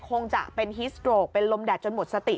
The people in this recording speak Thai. คงจะไปฮีทโสต์โครคเป็นลมแดดจนหมดสติ